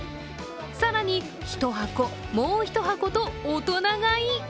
更に１箱、もう１箱と大人買い。